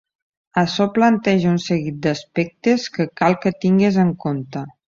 Açò planteja un seguit d'aspectes que cal que tingues en compte.